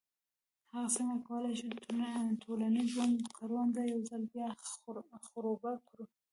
څنګه کولای شو د ټولنیز ژوند کرونده یو ځل بیا خړوبه کړو.